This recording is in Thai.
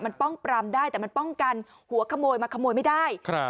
มันป้องปรามได้แต่มันป้องกันหัวขโมยมาขโมยไม่ได้